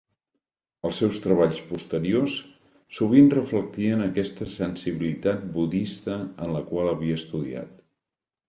Els seus treballs posteriors sovint reflectien aquesta sensibilitat budista en la qual havia estudiat.